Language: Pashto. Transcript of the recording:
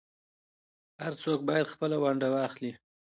هر څوک بايد خپله ونډه واخلي.